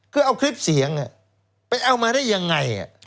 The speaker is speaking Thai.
คือเอาคลิปเสียงไปเอามาได้ยังไง